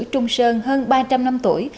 trung sơn hơn ba trăm linh năm tuổi